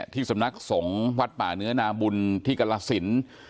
ที่สำนักสงฆ์วัดป่าเนื้อนาบุญที่กรสิน